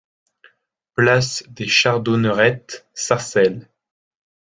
Place des Chardonnerrettes, Sarcelles